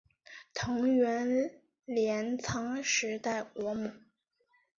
藤原镰仓时代国母。